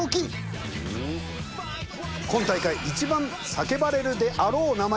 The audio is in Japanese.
今大会一番叫ばれるであろう名前